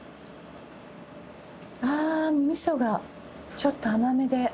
ああみそがちょっと甘めで。